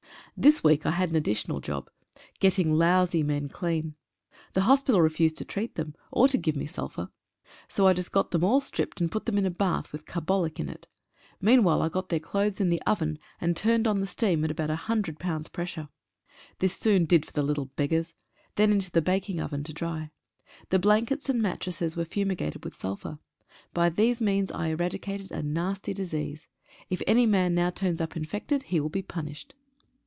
This week I had an additional job — getting lousy men clean. The hospital refused to treat them, or to give me sulphur. So I just got them all stripped, and put them in a bath with carbolic in it. Meanwhile I got their clothes in the oven, and turned on the steam at about 100 lbs. pressure. This soon did for the little beggars. Then into the baking oven to dry. The blan kets and mattresses were fumigated with sulphur. By these means I eradicated a nasty disease. If any man now turns up infected he will be punished.